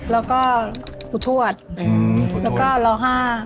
แล้วก็ขุทรวจแล้วก็ร้อฮา